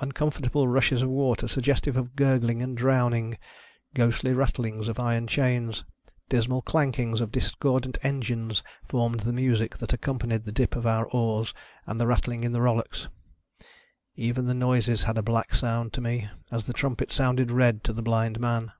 Uncomfortable rushes of water suggestive of gurgling and drowning, ghostly rattlings of iron chains, dismal clankiugs of discordant engines, formed the rauaie that accompanied the dip of our oars and their rattling in the rullocks. Even the noises had a black sound to me — as the trumpet sounded red to the blind man.